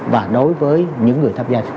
và đối với những người tham gia giao thông